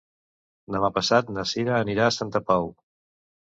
Demà passat na Sira anirà a Santa Pau.